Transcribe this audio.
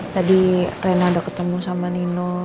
tadi rena udah ketemu sama nino